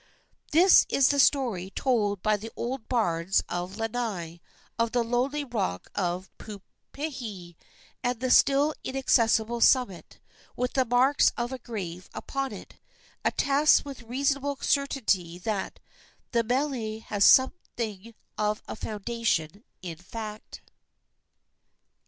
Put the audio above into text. This is the story told by the old bards of Lanai of the lonely rock of Puupehe, and the still inaccessible summit, with the marks of a grave upon it, attests with reasonable certainty that: the mele has something of a foundation in fact.